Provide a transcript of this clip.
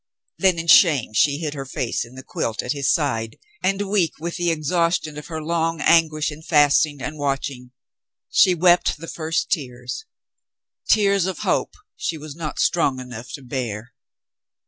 Then in shame she hid her face in the quilt at his side and, weak with the exhaustion of her long an guish and fasting and watching, she wept the first tears — tears of hope she was not strong enough to bear.